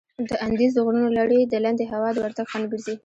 د اندیز د غرونو لړي د لندې هوا د ورتګ خنډ ګرځي.